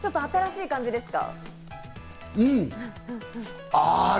新しい感じですか？